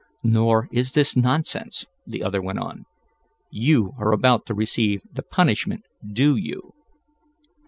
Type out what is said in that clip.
"Nor is this nonsense," the other went on. "You are about to receive the punishment due you."